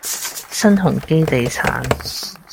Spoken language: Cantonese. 新鴻基地產